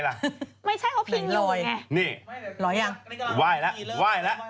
นี่ว่ายแล้วว่ายแล้ว